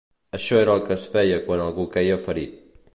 Això era el que es feia quan algú queia ferit